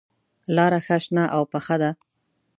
لاره ښه شنه او پوخه ده.